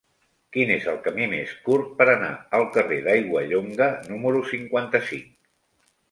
Quin és el camí més curt per anar al carrer d'Aiguallonga número cinquanta-cinc?